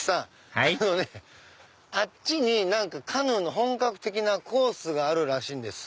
はいあっちにカヌーの本格的なコースがあるらしいんです。